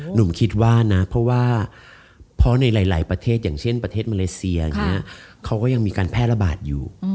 หนูคิดว่านะเพราะว่าเพราะในหลายประเทศอย่างเช่นประเทศมาเลเซียอย่างนี้เขาก็ยังมีการแพร่ระบาดอยู่